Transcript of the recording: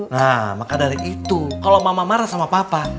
nah maka dari itu kalau mama marah sama papa